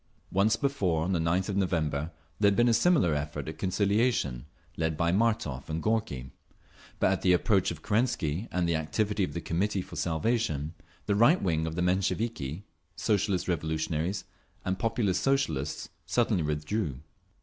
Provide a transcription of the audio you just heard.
Once before, on the 9th of November, there had been a similar effort at conciliation, led by Martov and Gorky; but at the approach of Kerensky and the activity of the Committee for Salvation, the right wing of the Mensheviki, Socialist Revolutionaries and Populist Socialists suddenly withdrew.